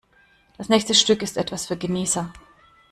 Das nächste Stück ist etwas für Genießer.